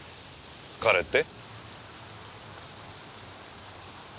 彼って？